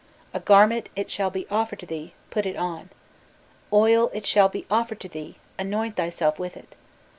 A garment, it shall be offered to the, put it on. Oil, it shall be offered to thee, anoint thyself with it.